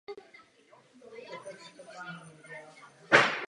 Z ní ovšem vzápětí sestoupil a v dalších letech šla fotbalová úroveň týmu dolů.